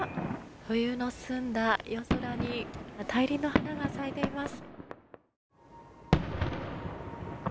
冬の澄んだ夜空に大輪の花が咲いています。